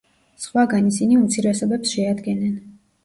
სხვაგან ისინი უმცირესობებს შეადგენენ.